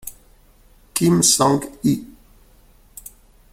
Kim Song-i